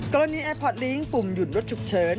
แอร์พอร์ตลิงค์ปุ่มหยุดรถฉุกเฉิน